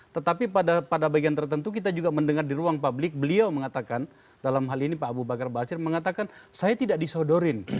tetapi pada bagian tertentu kita juga mendengar di ruang publik beliau mengatakan dalam hal ini pak abu bakar basir mengatakan saya tidak disodorin